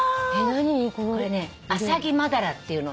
これねアサギマダラっていうの。